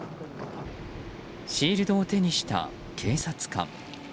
シールドを手にした警察官。